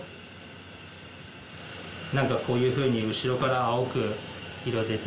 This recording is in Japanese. なんかこういうふうに後ろから青く色出て。